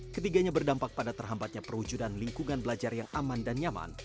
ketiganya berdampak pada terhambatnya perwujudan lingkungan belajar yang aman dan nyaman